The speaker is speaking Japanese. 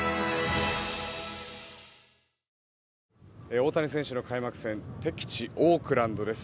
大谷選手の開幕戦敵地オークランドです。